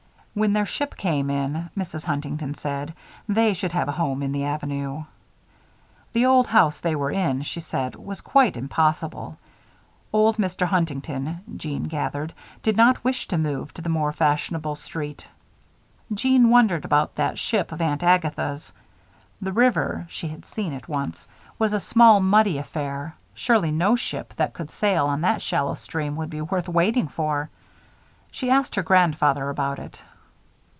When their ship came in, Mrs. Huntington said, they should have a home in the Avenue. The old house they were in, she said, was quite impossible. Old Mr. Huntington, Jeanne gathered, did not wish to move to the more fashionable street. Jeanne wondered about that ship of Aunt Agatha's. The river she had seen it once was a small, muddy affair. Surely no ship that could sail up that shallow stream would be worth waiting for. She asked her grandfather about it.